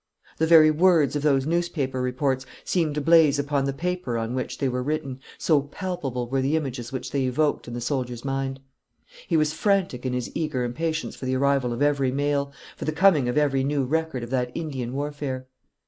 The very words of those newspaper reports seemed to blaze upon the paper on which they were written, so palpable were the images which they evoked in the soldier's mind. He was frantic in his eager impatience for the arrival of every mail, for the coming of every new record of that Indian warfare.